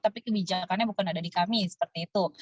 tapi kebijakannya bukan ada di kami seperti itu